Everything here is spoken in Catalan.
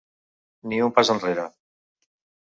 Ni un pas enrere.